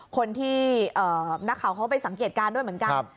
คนที่นักข่าวเขาไปสังเกตการณ์ด้วยเหมือนกัน